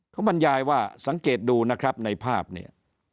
เขาบรรยายว่าสังเกตดูนะครับในภาพเนี่ย